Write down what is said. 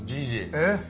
えっ？